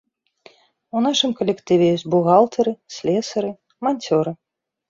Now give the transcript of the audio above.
У нашым калектыве ёсць бухгалтары, слесары, манцёры.